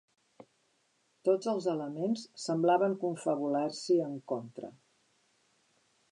Tots els elements semblaven confabular-s'hi en contra.